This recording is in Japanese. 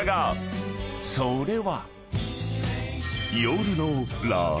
［それは］